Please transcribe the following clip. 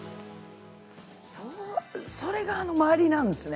それがあの周りなんですね。